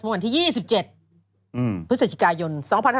มุ่งวันที่๒๗พฤศจิกายน๒๖๖๐